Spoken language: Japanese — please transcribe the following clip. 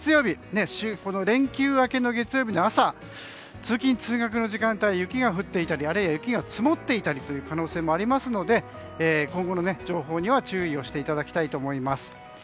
連休明けの月曜日の朝通勤・通学の時間帯雪が降っていたりあるいは雪が積もっていたりという可能性もありますので今後の情報には注意していただきたいと思います。